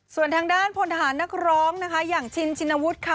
ส่วนทางด้านพลทหารนักร้องนะคะอย่างชินชินวุฒิค่ะ